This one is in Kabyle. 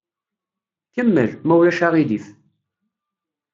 Kemmel, ma ulac aɣilif.